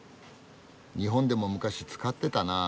日本でも昔使ってたなあ